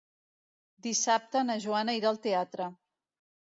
Dissabte na Joana irà al teatre.